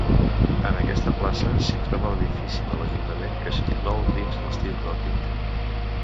En aquesta plaça s'hi troba l'edifici de l'ajuntament que s'inclou dins l'estil gòtic.